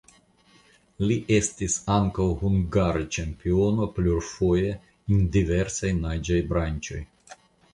Li estis ankaŭ hungara ĉampiono plurfoje en diversaj naĝaj branĉoj.